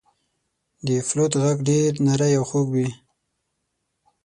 • د فلوت ږغ ډېر نری او خوږ وي.